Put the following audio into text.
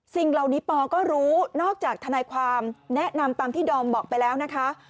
สิ่งเหล่านี้ปอก็รู้นอกจากทนายความแนะนำตามที่ดอมบอกไปแล้วนะคะ